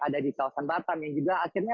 ada di kawasan batam yang juga akhirnya